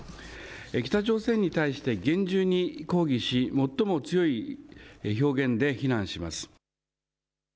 北朝鮮に対して厳重に抗議し、最も強い表現で非難します。